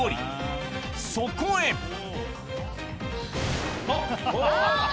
そこへあっ！